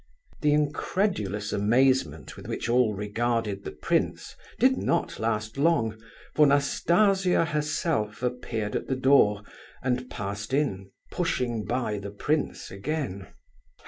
The incredulous amazement with which all regarded the prince did not last long, for Nastasia herself appeared at the door and passed in, pushing by the prince again.